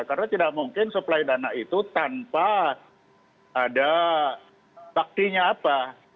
karena tidak mungkin supply dana itu tanpa ada taktinya apa